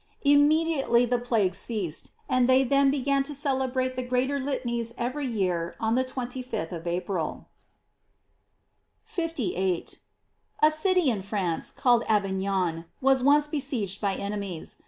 Im mediately the plague ceased, and they then be gan to celebrate the greater Litanies every year on the 25th of April.* 58. — A city of France, called Avignon, was once besieged by enemies.